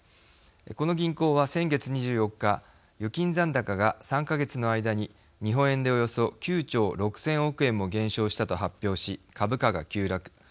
この銀行は先月２４日預金残高が３か月の間に日本円でおよそ９兆６０００億円も減少したと発表し株価が急落。